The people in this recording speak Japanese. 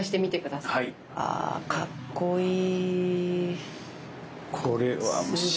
かっこいい。